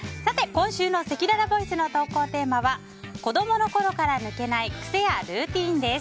今週のせきららボイスの投稿テーマは子供の頃から抜けない癖やルーティンです。